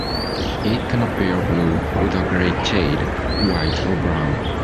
It can appear blue with a grey shade, white, or brown.